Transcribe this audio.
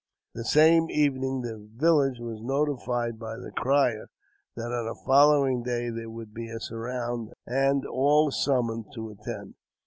That same evening the village was notified by the crier that on the following day there would be a surround, and all were summoned to attend.